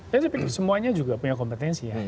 saya pikir semuanya juga punya kompetensi ya